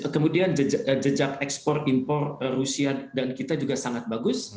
kemudian jejak ekspor impor rusia dan kita juga sangat bagus